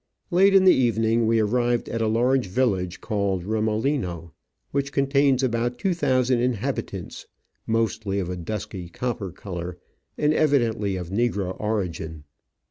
Late in the evening we arrived at a large village called Remolino, which contains about 2,000 inhabit ants, mostly of a dusky copper colour and evidently of negro origin.